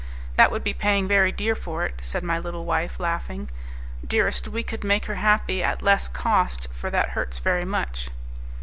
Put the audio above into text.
"That would be paying very dear for it," said my little wife, laughing. "Dearest, we could make her happy at less cost, for that hurts very much."